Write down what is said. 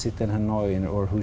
chia sẻ kinh nghiệm của chúng ta